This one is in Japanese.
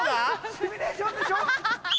シミュレーションでしょ？